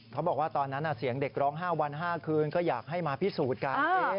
เขาบอกว่าตอนนั้นเสียงเด็กร้อง๕วัน๕คืนก็อยากให้มาพิสูจน์กัน